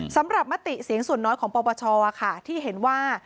มติเสียงส่วนน้อยของปปชที่เห็นว่า